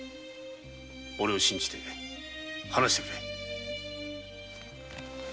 おれを信じて話してくれ。